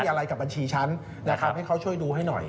อะไรกับบัญชีฉันนะครับให้เขาช่วยดูให้หน่อย